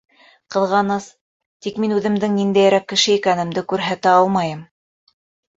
Ҡыҙғаныс, тик мин үҙемдең ниндәйерәк кеше икәнемде күрһәтә алмайым.